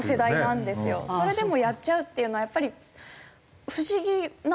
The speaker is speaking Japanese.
それでもやっちゃうっていうのはやっぱり不思議なんですよね。